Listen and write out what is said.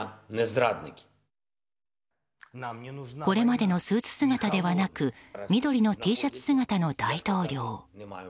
これまでのスーツ姿ではなく緑のＴシャツ姿の大統領。